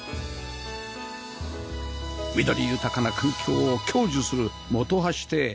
緑豊かな環境を享受する本橋邸